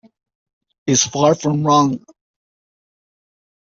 Is far from wrong!